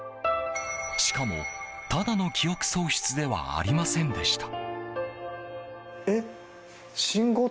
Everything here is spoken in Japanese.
しかも、ただの記憶喪失ではありませんでした。